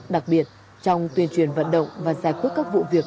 đặc biệt trong tuyên truyền vận động và giải quyết các vụ việc